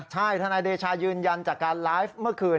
ใช่ทนายเดชายืนยันจากการไลฟ์เมื่อคืน